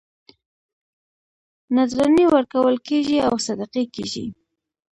نذرانې ورکول کېږي او صدقې کېږي.